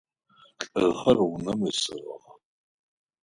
Лӏыхэр унэм исыгъэх.